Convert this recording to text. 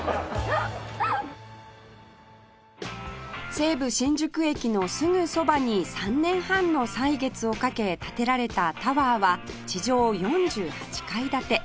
西武新宿駅のすぐそばに３年半の歳月をかけ建てられたタワーは地上４８階建て